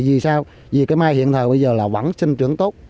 vì sao vì cái mai hiện thời bây giờ là vẫn sinh trưởng tốt